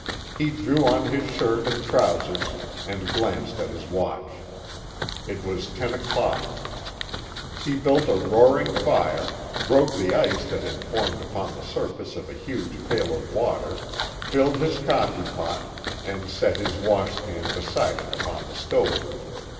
He drew on his shirt and trousers and glanced at his watch. It was ten o'clock. He built a roaring fire, broke the ice that had formed upon the surface of a huge pail of water, filled his coffee pot, and set his wash pan beside it upon the stove.